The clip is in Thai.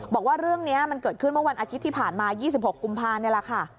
บอกว่าเรื่องนี้มันเกิดขึ้นเมื่อวันอาทิตย์ที่ผ่านมา๒๖กุมภานี่แหละค่ะ